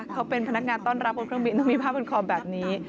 เขาเป็นพนักงานต้อนรับบนเครื่องบินต้องมีผ้าบนคอแบบนี้